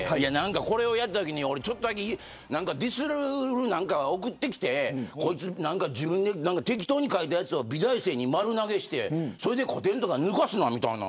これをやったときにちょっとだけディスる何か送ってきて適当に描いたやつを美大生に丸投げして個展とか、ぬかすなみたいな。